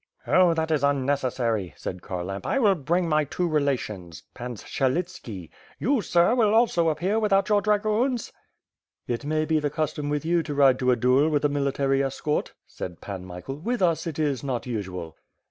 "Oh, that is unnecessary/' said Kharlamp, "I will bring my two relations. Pang Syelitski. You, sir, will also appear with out your dragoons?" "It may be the custom with you to ride to a duel with a military escort," said Pan Michael. "With us it is not usual."